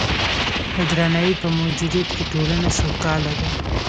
د درناوي په موجودیت کې ټولنه سوکاله ده.